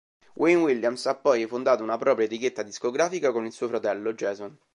Wayne Williams ha poi fondato una propria etichetta discografica, con il suo fratello Jason.